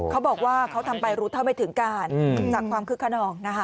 เขาบอกว่าเขาทำไปรู้เท่าไม่ถึงการจากความคึกขนองนะคะ